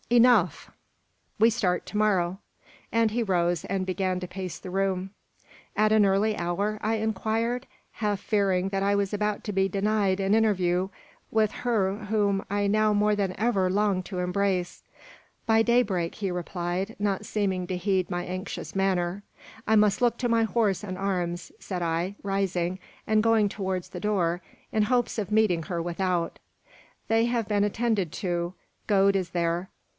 "Enough. We start to morrow." And he rose, and began to pace the room. "At an early hour?" I inquired, half fearing that I was about to be denied an interview with her whom I now more than ever longed to embrace. "By daybreak," he replied, not seeming to heed my anxious manner. "I must look to my horse and arms," said I, rising, and going towards the door, in hopes of meeting her without. "They have been attended to; Gode is there.